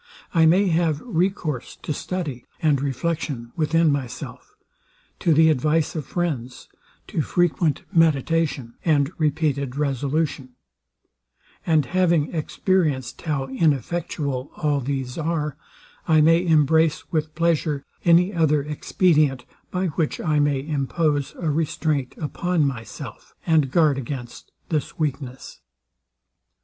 I may have recourse to study and reflection within myself; to the advice of friends; to frequent meditation, and repeated resolution: And having experienced how ineffectual all these are, I may embrace with pleasure any other expedient, by which I may impose a restraint upon myself, and guard against this weakness.